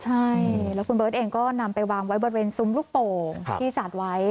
ใช่แล้วคุณเบิร์ตเองก็นำไปวางไว้บริเวณซุ้มลูกโป่งที่จัดไว้